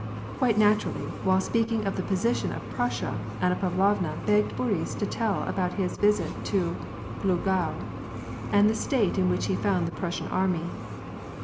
Quite naturally, while speaking of the position of Prussia, Anna Pavlovna begged Boris to tell about his visit to Glogau, Mid the state in which he found the Prussian army.